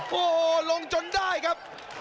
โหลงจนได้ครับ